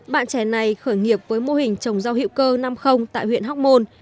bạn trẻ này khởi nghiệp với mô hình trồng rau hữu cơ năm tại huyện hóc môn